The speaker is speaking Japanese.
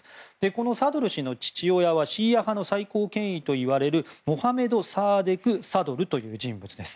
このサドル師の父親はシーア派の最高権威といわれるモハメド・サーデク・サドルという人物です。